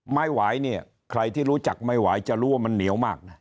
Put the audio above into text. หวายเนี่ยใครที่รู้จักไม่ไหวจะรู้ว่ามันเหนียวมากนะ